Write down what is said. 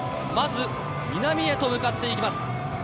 まず、南へと向かっていきます。